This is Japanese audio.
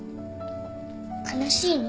悲しいの？